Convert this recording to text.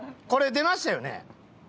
出ましたね。